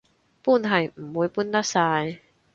搬係唔會搬得晒